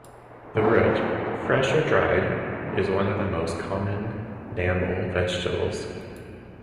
The root, fresh or dried, is one of the most common namul vegetables.